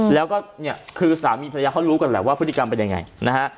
แล้วก็เนี่ยคือสามีภรรยาเขารู้กันแหละว่าพฤติกรรมเป็นยังไงนะฮะ